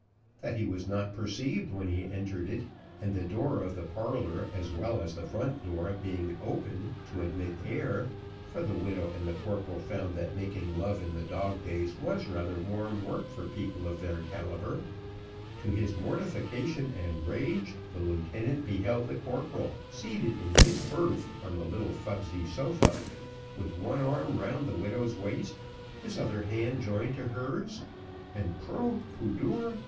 that he was not perceived when he entered it, and the door of the parlour as well as the front door being open to admit the air, for the widow and the corporal found that making love in the dog days was rather warm work for people of their calibre to his mortification and rage the lieutenant beheld the corporal seated in his berth, on the little fubsy sofa, with one arm round the widow's waist, his other hand joined in hers, and, _proh pudor!